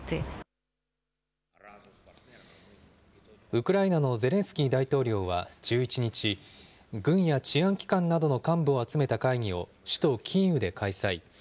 ウクライナのゼレンスキー大統領は１１日、軍や治安機関などの幹部を集めた会議を、首都キーウで開催。